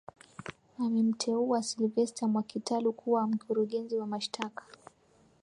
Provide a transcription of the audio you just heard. Amemteua Sylvester Mwakitalu kuwa mkurugenzi wa mashtaka